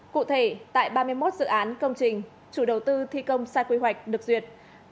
cụ thể tại ba mươi một dự án công trình chủ đầu tư thi công sai quy hoạch được duyệt